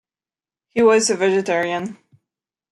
He was a vegetarian.